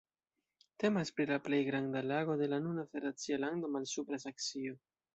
Temas pri la plej granda lago de la nuna federacia lando Malsupra Saksio.